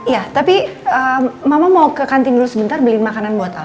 ya tapi mama mau ke kantin dulu sebentar beli makanan botol